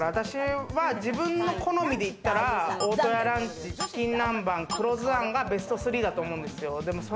自分の好みでいったら、大戸屋ランチ、チキン南蛮、黒酢あんがベスト３だと思うんですよ。